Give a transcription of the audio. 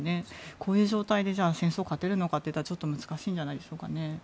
こういう状態で戦争に勝てるのかといったらちょっと難しいんじゃないでしょうかね。